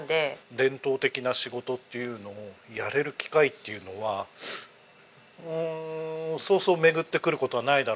伝統的な仕事っていうのをやれる機会っていうのはそうそう巡ってくる事はないだろうな。